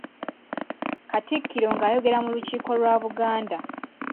Katikkiro ng’ayogera mu Lukiiko lwa Buganda.